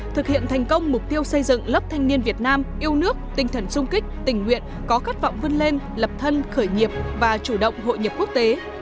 thực hiện thành công mục tiêu xây dựng lớp thanh niên việt nam yêu nước tinh thần sung kích tình nguyện có khát vọng vươn lên lập thân khởi nghiệp và chủ động hội nhập quốc tế